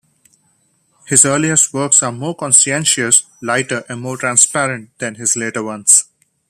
His earliest works are more conscientious, lighter and more transparent than his later ones.